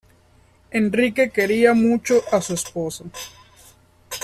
Enrique quería mucho a su esposa.